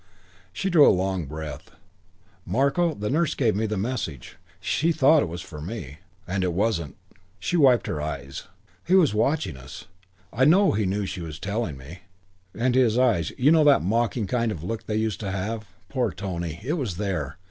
She drew a long breath. "Marko, the nurse gave me the message. She thought it was for me and it wasn't." She wiped her eyes. "He was watching us. I know he knew she was telling me, and his eyes you know that mocking kind of look they used to have? Poor Tony! It was there.